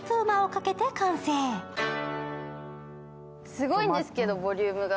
すごいんですけど、ボリュームが。